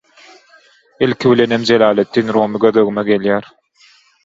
Ilki bilenem Jelaletdin Rumy göz öňüme gelýär.